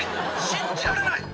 「信じられない！